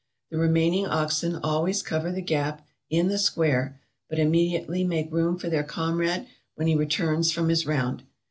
The remaining oxen always cover the gap, in the square, but immediately make room for their comrade when he returns from his round.